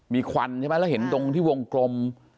มีควันใช่ไหมแล้วเห็นตรงที่วงกลม